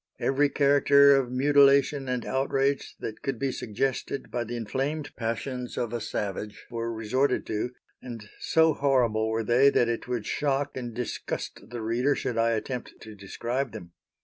Every character of mutilation and outrage that could be suggested by the inflamed passions of a savage were resorted to, and so horrible were they that it would shock and disgust the reader should I attempt to describe them.